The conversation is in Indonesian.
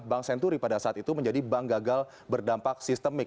bank senturi pada saat itu menjadi bank gagal berdampak sistemik